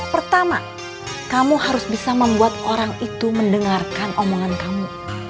pertama kamu harus bisa membuat orang itu mendengarkan omongan kamu